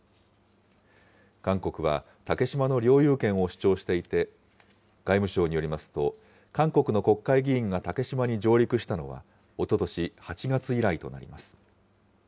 韓国は竹島の領有権を主張していて、外務省によりますと、韓国の国会議員が竹島に上陸したのはおととし８月以来となります。